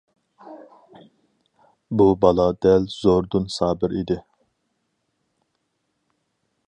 بۇ بالا دەل زوردۇن سابىر ئىدى.